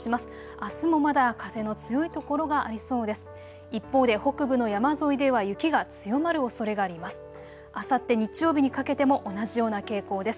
あすもまだ風の強い所がありそうです。